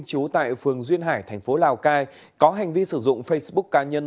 trú tại phường duyên hải thành phố lào cai có hành vi sử dụng facebook cá nhân